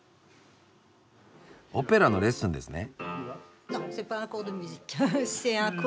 オペラのレッスンですね？